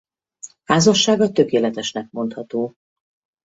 Házassága tökéletesnek mondható.